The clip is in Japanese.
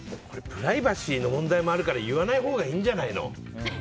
プライバシーの問題もあるから言わないほうがいいんじゃないの。